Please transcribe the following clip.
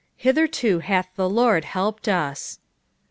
"Hitherto hath the Lord helped us."